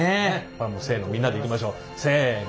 これはもうせのみんなでいきましょうせの。